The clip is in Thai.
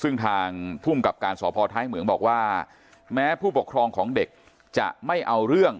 ซึ่งทางภูมิกับการสพท้ายเหมืองบอกว่าแม้ผู้ปกครองของเด็กจะไม่เอาเรื่อง